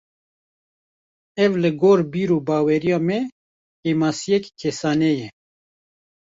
Ev li gor bîr û baweriya me, kêmasiyek kesane ye